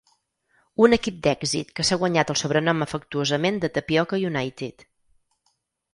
Un equip d'èxit que s'ha guanyat el sobrenom afectuosament de Tapioca United.